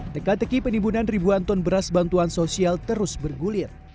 teka teki penimbunan ribuan ton beras bantuan sosial terus bergulir